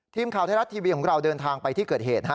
ทีมข่าวไทยรัฐทีวีของเราเดินทางไปที่เกิดเหตุ